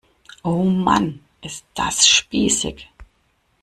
Oh Mann, ist das spießig!